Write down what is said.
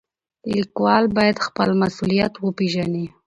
لیکوال باید خپل مسولیت وپېژني.